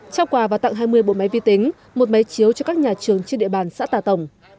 trao quà và tặng hai mươi bộ máy vi tính một máy chiếu cho các nhà trường trên địa bàn xã tà tổng